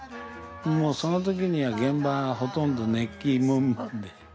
もうそのときには現場はほとんど熱気むんむんで。